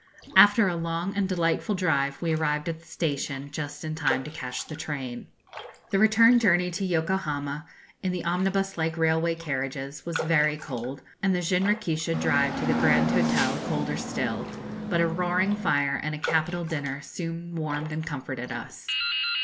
After a long and delightful drive we arrived at the station just in time to catch the train. The return journey to Yokohama, in the omnibus like railway carriages, was very cold, and the jinrikisha drive to the Grand Hotel colder still; but a roaring fire and a capital dinner soon warmed and comforted us.